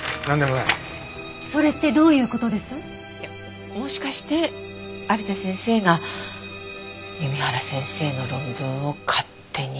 もしかして有田先生が弓原先生の論文を勝手に。